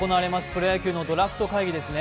プロ野球ドラフト会議です。